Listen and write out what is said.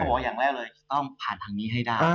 บอกว่าอย่างแรกเลยต้องผ่านทางนี้ให้ได้